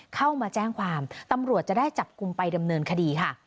เข้ามาแจ้งความตำรวจจะได้จับกลุ่มไปดำเนินคดีค่ะ